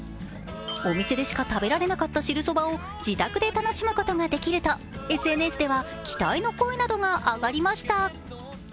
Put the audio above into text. お店でしか食べられなかった汁そばを自宅で楽しむことができるとＳＮＳでは期待の声などが上がりました。